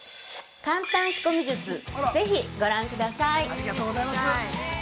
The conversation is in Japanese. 簡単仕込み術、ぜひご覧ください。